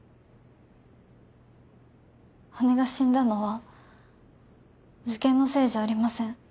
姉が死んだのは受験のせいじゃありません。